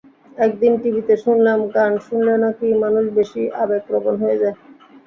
একদিন টিভিতে শুনলাম, গান শুনলে নাকি মানুষ বেশি আবেগপ্রবণ হয়ে যায়।